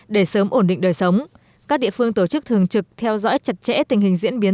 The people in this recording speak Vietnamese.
để sớm ổn định đời sống các địa phương tổ chức thường trực theo dõi chặt chẽ tình hình diễn biến